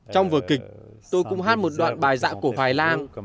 trong vở kịch tôi cũng hát một đoạn bài dạ của hoài lan